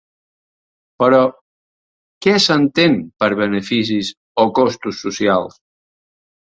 Però, què s'entén per beneficis o costos socials?